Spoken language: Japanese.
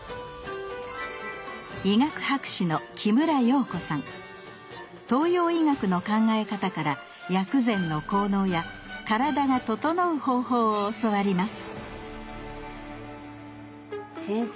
医学博士の東洋医学の考え方から薬膳の効能や体がととのう方法を教わります先生